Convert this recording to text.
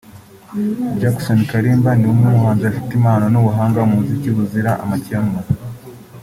Jackson Kalimba ni umwe mu bahanzi bafite impano n’ubuhanga mu muziki buzira amakemwa